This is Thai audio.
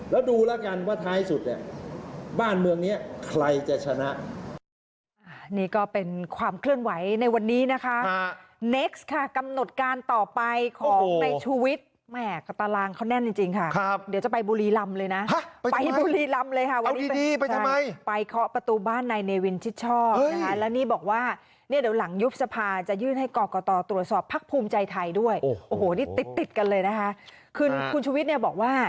แล้วดูแล้วกันว่าท้ายสุดเนี่ยบ้านเมืองนี้ใครจะชนะ